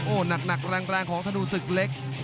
โอ้โหหนักแรงของธนูศึกเล็ก